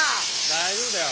大丈夫だよ。